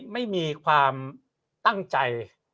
ไม่มีความตั้งใจ